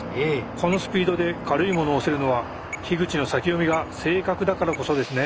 そのスピードで軽いものを押せるのは口の先読みが正確だからこそですね。